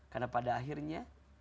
karena pada akhirnya